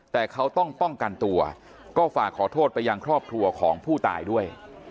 แต่เขาต้องป้องกันตัวก็ฝากขอโทษไปยังครอบครัวของผู้ตายด้วย